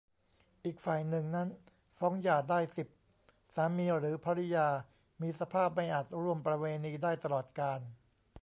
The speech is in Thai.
อีกฝ่ายหนึ่งนั้นฟ้องหย่าได้ สิบ สามีหรือภริยามีสภาพไม่อาจร่วมประเวณีได้ตลอดกาล